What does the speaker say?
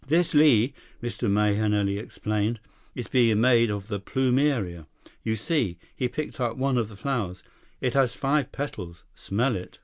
"This lei," Mr. Mahenili explained, "is being made of the plumeria. You see," he picked up one of the flowers, "it has five petals. Smell it."